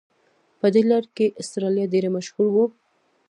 په دې لړ کې استرالیا ډېره مشهوره وه.